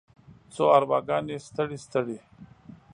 څو ارواګانې ستړې، ستړې